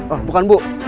oh bukan bu